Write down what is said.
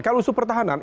kalau isu pertahanan